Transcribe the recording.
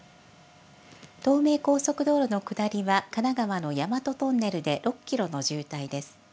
東名高速道路の下りは神奈川の大和トンネルで６キロの渋滞です。